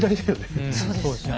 そうですね。